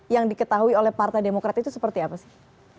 yang diketahui oleh partai demokrat itu seperti apa sih